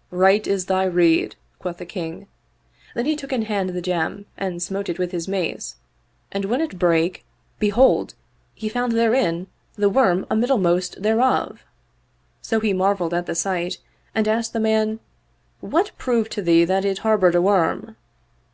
" Right is thy rede," quoth the King: then he took in hand the gem and smote it with his mace and when it brake behold, he found therein the worm amiddle most thereof. So he marveled at the sight and asked the man, "What proved to thee that it harbored a worm?"